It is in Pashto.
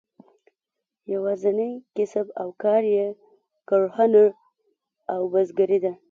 یوازینی کسب او کار یې کرهڼه او بزګري ده.